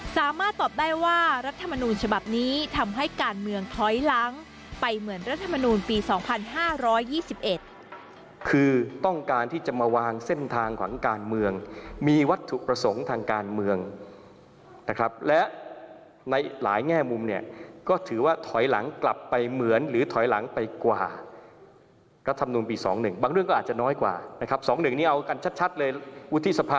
สามารถตอบได้ว่ารัฐมนูญฉะบับนี้ทำให้การเมืองถอยล้างไปเหมือนรัฐมนูญปี๒๕๒๑